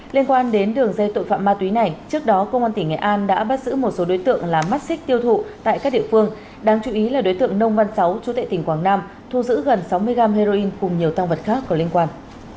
liên quan đến đường dây tội phạm ma túy này trước đó công an tỉnh nghệ an đã bắt giữ một số đối tượng là mắt xích tiêu thụ tại các địa phương đáng chú ý là đối tượng nông văn sáu chú tệ tỉnh quảng nam thu giữ gần sáu mươi gram heroin cùng nhiều tăng vật khác có liên quan